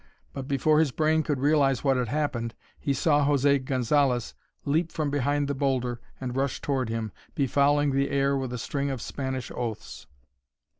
But before his brain could realize what had happened, he saw José Gonzalez leap from behind the boulder and rush toward him, befouling the air with a string of Spanish oaths.